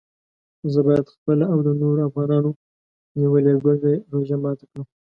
زه باید خپله او د نورو افغانانو نیولې ګونګه روژه ماته کړم.